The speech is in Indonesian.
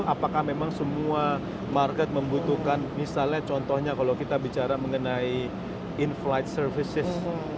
apakah memang semua market membutuhkan misalnya contohnya kalau kita bicara mengenai in flight services